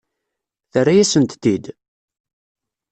Terra-yasent-t-id?